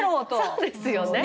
そうですよね。